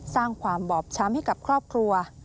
สร้างความบอบช้ำให้กับครอบครัว